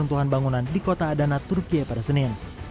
untuk pembentuhan bangunan di kota adana turki pada senin